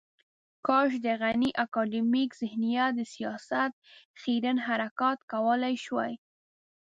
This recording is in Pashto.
کاش د غني اکاډمیک ذهنیت د سياست خیرن حرکات کولای شوای.